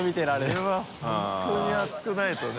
これは本当に熱くないとね